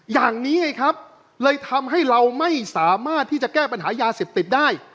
อย่างนี้ไงครับเลยทำให้เราไม่สามารถที่จะแก้ปัญหายาเสพติดได้